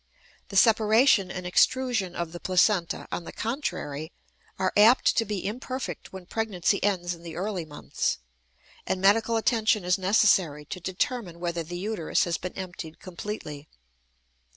The separation and extrusion of the placenta, on the contrary, are apt to be imperfect when pregnancy ends in the early months, and medical attention is necessary to determine whether the uterus has been emptied completely.